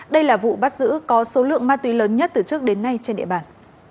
đây là vụ bắt giữ có số lượng ma túy lớn nhất từ trước đến nay trên địa bàn